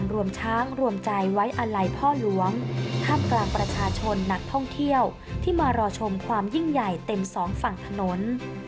รวมช้างรวมใจไว้อาลัยพ่อหลวงท่ามกลางประชาชนนักท่องเที่ยวที่มารอชมความยิ่งใหญ่เต็มสองฝั่งถนน